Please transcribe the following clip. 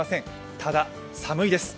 ただ寒いです。